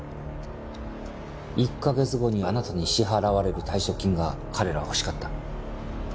１カ月後にあなたに支払われる退職金が彼らは欲しかった。